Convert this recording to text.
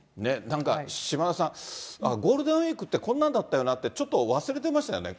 なんか島田さん、ゴールデンウィークって、こんなんだったよなって、ちょっと忘れてましたよね。